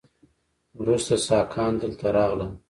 وروسته ساکان دلته راغلل